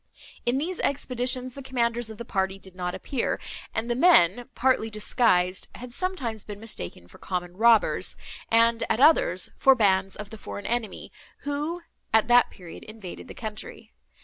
In these expeditions the commanders of the party did not appear, and the men, partly disguised, had sometimes been mistaken for common robbers, and, at others, for bands of the foreign enemy, who, at that period, invaded the country.